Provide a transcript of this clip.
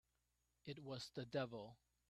It was the devil!